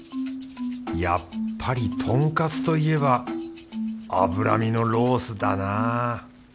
やっぱりとんかつといえば脂身のロースだな